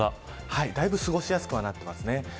だいぶ過ごしやすくなっています。